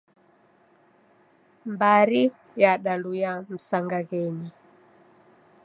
Mbari yadaluya msangaghenyi.